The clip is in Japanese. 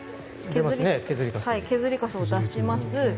削りかすを出します。